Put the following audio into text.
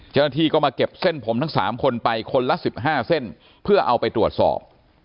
เจ้าหน้าที่ก็มาเก็บเส้นผมทั้ง๓คนไปคนละ๑๕เส้นเพื่อเอาไปตรวจสอบ